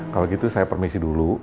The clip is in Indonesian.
kalau gitu saya permisi dulu